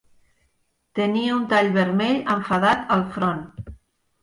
Tenia un tall vermell enfadat al front.